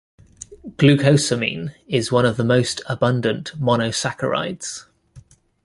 Glucosamine is one of the most abundant monosaccharides.